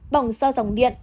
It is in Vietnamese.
bỏng do dòng điện